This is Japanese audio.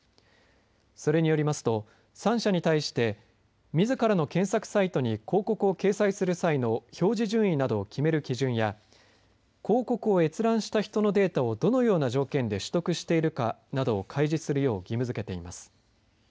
それによりますと３社に対してみずからの検索サイトに広告を掲載する際の表示順位などを決める基準や広告を閲覧した人のデータをどのような条件で取得しているかなどを開示するよう義務づけています。